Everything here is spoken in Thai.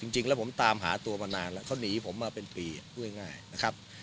จริงแล้วผมตามหาตัวมานานแล้วเขาหนีผมมาเป็นปีพูดง่ายนะครับ